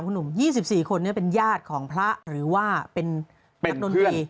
คุณหนุ่ม๒๔คนเนี่ยเป็นญาติของพระหรือว่าเป็นเป็นเพื่อน